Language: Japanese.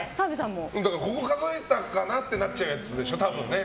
ここ数えたかな？ってなっちゃうやつでしょ、多分ね。